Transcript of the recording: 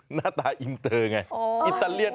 หน้าตาอินเตอร์ไงอิตาเลียน